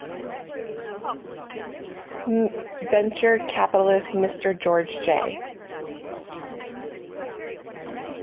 Venture Capitalists Mr. George J.